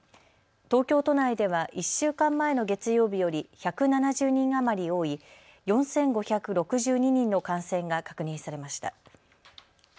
東京都内では１週間前の月曜日より１７０人余り多い４５６２人の感染が確認されました。